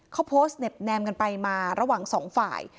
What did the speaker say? เขาโพสต์เน็บแนมกันไปมาระหว่างสองฝ่าย